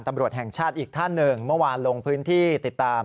ตำรวจแห่งชาติอีกท่านหนึ่งเมื่อวานลงพื้นที่ติดตาม